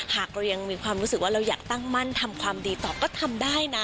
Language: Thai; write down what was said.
หากเรายังมีความรู้สึกว่าเราอยากตั้งมั่นทำความดีต่อก็ทำได้นะ